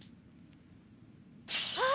あ！